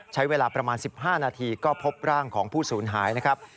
ใช้เวลาประมาณ๑๕นาทีก็พบร่างของผู้สูญหายนะครับ